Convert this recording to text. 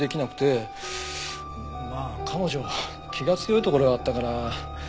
まあ彼女は気が強いところがあったから。